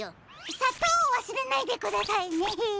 さとうをわすれないでくださいね。